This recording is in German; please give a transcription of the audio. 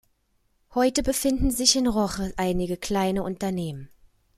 Heute befinden sich in Roches einige kleinere Unternehmen.